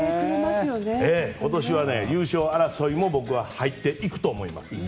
今年は優勝争いも僕は入っていくと思います。